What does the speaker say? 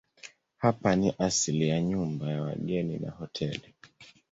Hapa ni asili ya nyumba ya wageni na hoteli.